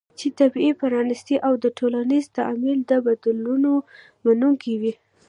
چې طبیعي، پرانستې او د ټولنیز تعامل د بدلونونو منونکې وي